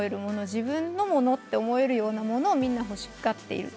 自分のものと思えるようなものをみんな欲しがっている。